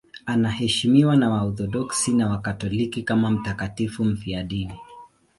Anaheshimiwa na Waorthodoksi na Wakatoliki kama mtakatifu mfiadini.